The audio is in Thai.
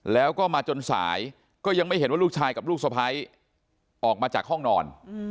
แล้วก็มาจนสายก็ยังไม่เห็นว่าลูกชายกับลูกสะพ้ายออกมาจากห้องนอน